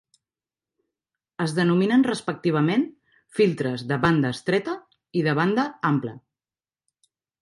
Es denominen respectivament filtres de "banda estreta" i de "banda ampla".